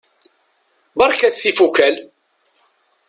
Berkat tifukal!